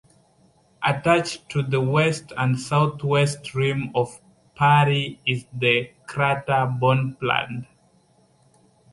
Attached to the west and southwest rim of Parry is the crater Bonpland.